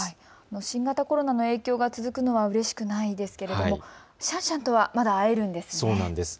新型コロナの影響が続くのはうれしくないんですけれどもシャンシャンとはまだ会えるんですね。